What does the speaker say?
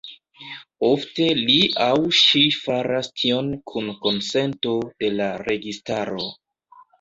Ofte li aŭ ŝi faras tion kun konsento de la registaro.